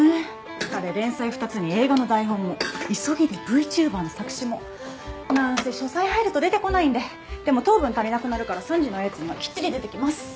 彼連載２つに映画の台本も急ぎでＶＴｕｂｅｒの作詞もなんせ書斎入ると出てこないんででも糖分足りなくなるから３時のおやつにはきっちり出てきます